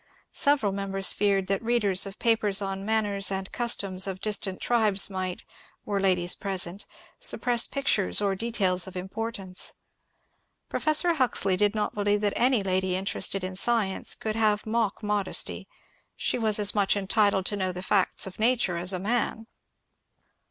Several members feared that readers of papers on manners and customs of distant tribes might, were ladies present, sup press pictures or details of importance. Professor Huxley did not believe that any lady interested in science could have mock modesty ; she was as much entitled to know the facts of nature as a man.